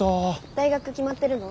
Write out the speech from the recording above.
大学決まってるの？